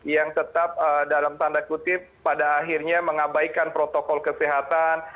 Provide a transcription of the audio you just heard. yang tetap dalam tanda kutip pada akhirnya mengabaikan protokol kesehatan